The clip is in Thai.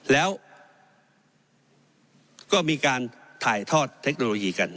แล้วก็มีการถ่ายทอดเทคโนโลยีกัน